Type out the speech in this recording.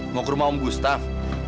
mau ke rumah om bustaf